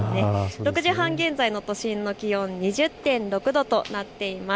６時半現在の都心の気温２０．６度となっています。